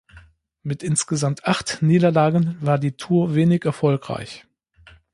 Mit insgesamt acht Niederlagen war die Tour wenig erfolgreich.